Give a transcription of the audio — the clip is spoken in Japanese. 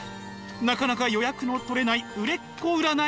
なかなか予約の取れない売れっ子占い師です。